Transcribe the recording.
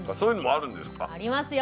ありますよ。